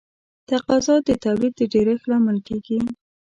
تقاضا د تولید د ډېرښت لامل کیږي.